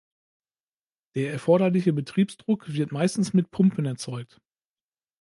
Der erforderliche Betriebsdruck wird meistens mit Pumpen erzeugt.